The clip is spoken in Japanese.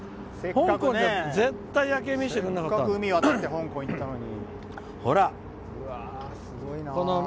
せっかく海を渡って香港に行ったのに。